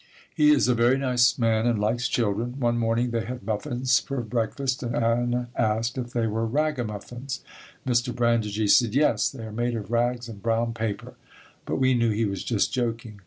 He is a very nice man and likes children. One morning they had muffins for breakfast and Anna asked if they were ragamuffins. Mr. Brandigee said, "Yes, they are made of rags and brown paper," but we knew he was just joking.